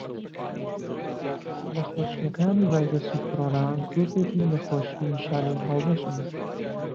نەخۆشیەکانی ڤایرۆسی کۆڕۆنا گرووپێکی نەخۆشی نیشانەی هاوبەشن.